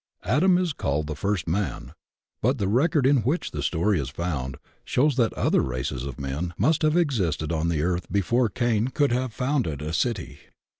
Adam is called the first man, but the record in which the story is found shows that other races of men must have existed on the earth before Cain could have founded a city.